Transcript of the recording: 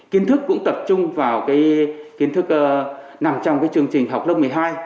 kiến thức cũng tập trung vào kiến thức nằm trong chương trình học lớp một mươi hai